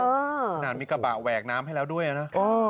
ขนาดมีกระบะแหวกน้ำให้แล้วด้วยนะ